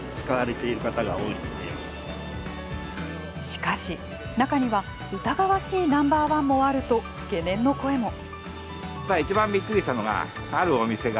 しかし、中には疑わしいＮｏ．１もあると懸念の声も。